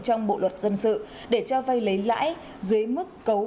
trong bộ luật dân sự để cho vay lấy lãi dưới mức cấu